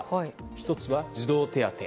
１つは、児童手当。